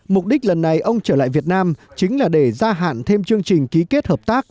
mục đích lần này ông trở lại việt nam chính là để gia hạn thêm chương trình ký kết hợp tác